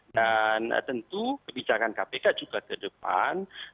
dan tentu kebijakan kpk juga ke depan